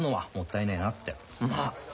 まあ！